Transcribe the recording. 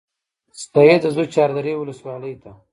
سیده ځو چاردرې ولسوالۍ ته.